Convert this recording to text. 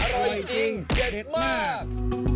อร่อยจริงเด็ดมาก